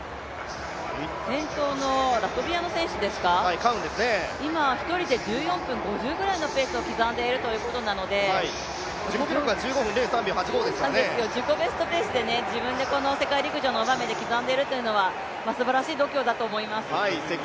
先頭のラトビアの選手、今１人で１４分５４秒のペースを刻んでいるということなので自己ベストペースで、自分で世界陸上の場面で刻んでいるというのはすばらしい度胸だと思います。